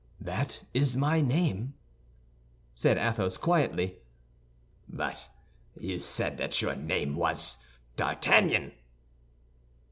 "That is my name," said Athos, quietly. "But you said that your name was D'Artagnan."